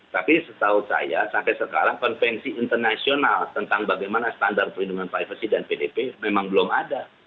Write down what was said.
tapi setahu saya sampai sekarang konvensi internasional tentang bagaimana standar perlindungan privacy dan pdp memang belum ada